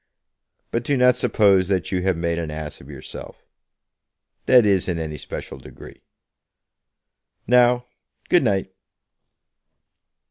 But do not suppose that you have made an ass of yourself, that is, in any special degree. Now, good night."